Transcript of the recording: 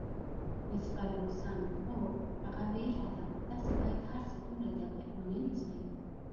مس فرګوسن: اوه، هغه بېله ده، تاسي باید هرڅه دومره دقیق ونه نیسئ.